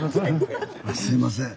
すいません。